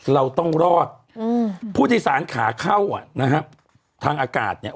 เราต้องรอดอืมผู้โดยสารขาเข้าอ่ะนะฮะทางอากาศเนี่ย